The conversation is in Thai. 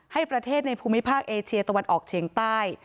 ให้ประเทศในภูมิภาคเอเชียตะวันออกเฉียงใต้